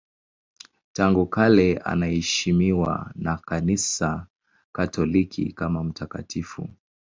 Tangu kale anaheshimiwa na Kanisa Katoliki kama mtakatifu.